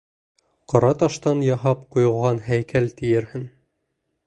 Ҡара таштан яһап ҡуйылған һәйкәл тиерһең.